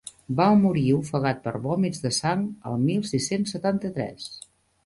Va morir ofegat per vòmits de sang el mil sis-cents setanta-tres.